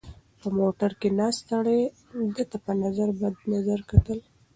په موټر کې ناست سړي ده ته په بد نظر کتل.